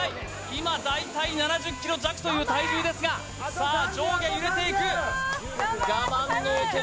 今大体７０ｋｇ弱という体重ですがさあ上下揺れていく我慢の男